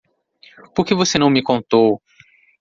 Por que você não me contou?